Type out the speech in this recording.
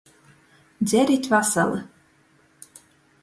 Dzerit vasali!